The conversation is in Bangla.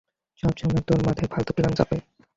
সবসময় তোর মাথায় ফালতু প্ল্যান চাপে।